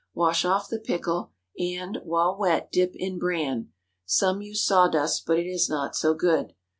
Wash off the pickle, and, while wet, dip in bran. Some use saw dust, but it is not so good.